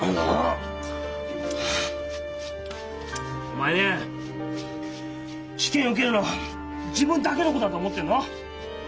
お前ね試験受けるの自分だけのことだと思ってんの？